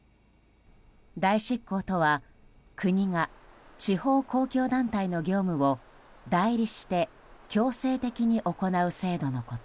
代執行とは、国が地方公共団体の業務を代理して強制的に行う制度のこと。